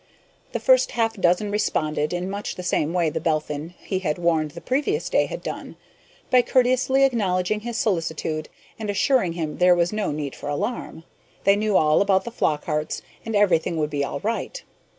The first half dozen responded in much the same way the Belphin he had warned the previous day had done, by courteously acknowledging his solicitude and assuring him there was no need for alarm; they knew all about the Flockharts and everything would be all right.